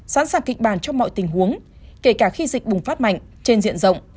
sẵn sàng kịch bản cho mọi tình huống kể cả khi dịch bùng phát mạnh trên diện rộng